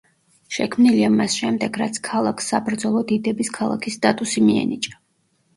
შექმნილია მას შემდეგ, რაც ქალაქს საბრძოლო დიდების ქალაქის სტატუსი მიენიჭა.